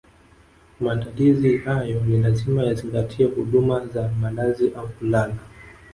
Maandalizi hayo ni lazima yazingatie huduma za malazi au kulala